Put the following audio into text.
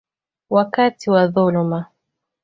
wakati wa dhuluma.